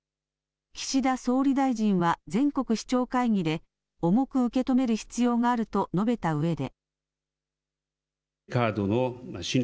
岸田総理大臣は全国市長会議で重く受け止める必要があると述べたうえで。